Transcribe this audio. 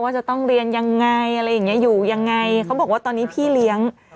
จะต้องเรียนยังไงอะไรอย่างเงี้อยู่ยังไงเขาบอกว่าตอนนี้พี่เลี้ยง